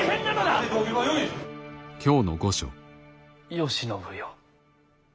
慶喜よ。